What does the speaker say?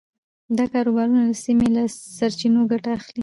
دا کاروبارونه د سیمې له سرچینو ګټه اخلي.